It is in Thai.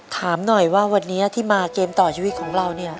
ถามหน่อยว่าวันนี้ที่มาเกมต่อชีวิตของเราเนี่ย